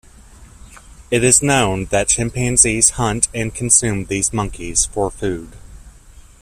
It is known that chimpanzees hunt and consume these monkeys for food.